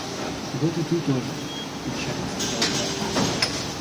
— Вот и ты тоже, — печально сказал брат.